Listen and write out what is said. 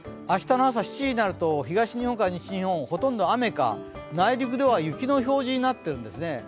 明日の朝７時になると東日本から西日本、ほとんど雨か、内陸では雪の表示になっているんですね。